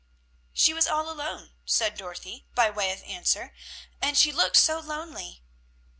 "She was all alone," said Dorothy, by way of answer; "and she looked so lonely."